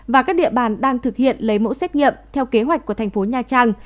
và các địa bàn đang thực hiện lấy mẫu xét nghiệm theo kế hoạch của tp nha trang